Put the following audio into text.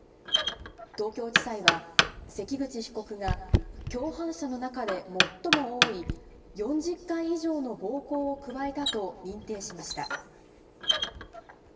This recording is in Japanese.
東京地裁は、関口被告が共犯者の中で最も多い４０回以上の暴行を加えたと認定しました。